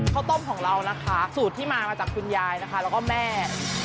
ข้าวต้มของเรานะคะสูตรที่มามาจากคุณยายนะคะแล้วก็แม่